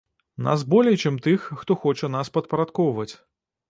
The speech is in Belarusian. Нас болей чым тых, хто хоча нас падпарадкоўваць.